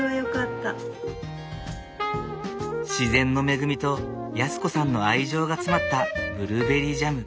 自然の恵みと康子さんの愛情が詰まったブルーベリージャム。